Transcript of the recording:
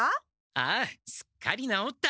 ああすっかりなおった！